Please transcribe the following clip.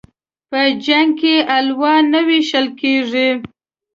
په جنگ کې الوا نه ويشل کېږي.